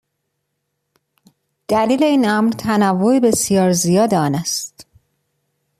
دلیل این امر تنوع بسیار زیاد آن است.